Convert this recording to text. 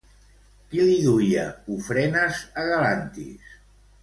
Qui li duia ofrenes a Galantis?